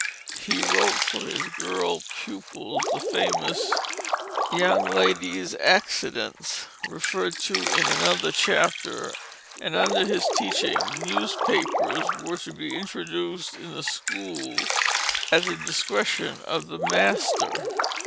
He wrote for his girl pupils the famous Young Lady's Accidence, referred to in another chapter, and under his teaching "newspapers were to be introduced in the school at the discretion of the master."